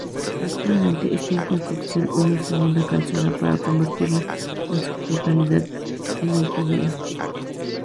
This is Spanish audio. Actualmente está en construcción una segunda calzada para convertirla en su totalidad en autovía.